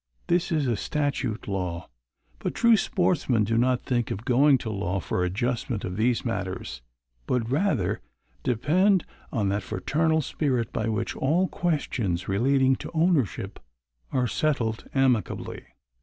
"_ This is a statute law. But true sportsmen do not think of going to law for adjustment of these matters, but rather depend on that fraternal spirit by which all questions relating to ownership are settled amicably.